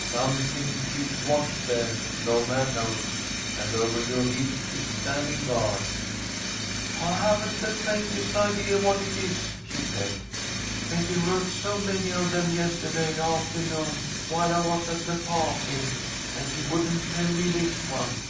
Something keeps watch there, no man knows, And over your gift it's standing guard." "I haven't the faintest idea what it is," she said. "Betty wrote so many of them yestahday aftahnoon while I was at the pah'ty, and she wouldn't tell me this one.